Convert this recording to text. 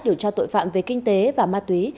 điều tra tội phạm về kinh tế và ma túy